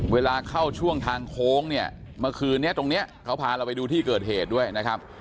เวลาเข้าช่วงทางโค้งเนี่ยเมื่อคืนนี้ตรงนี้เขาพาเราไปดูที่เกิดเหตุด้วยนะครับ